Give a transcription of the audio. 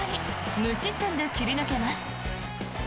無失点で切り抜けます。